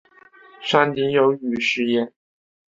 山顶有雨石庵。